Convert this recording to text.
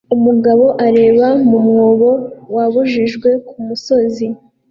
Umugabo areba mu mwobo wabujijwe kumusozi